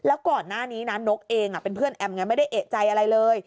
แล้วก่อนหน้านี้นะนกเองเป็นเพื่อนแอมไงไม่ได้เอกใจอะไรเลย